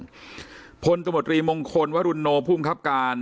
ศพมมงคลวรุโนย์ภูมิครับการ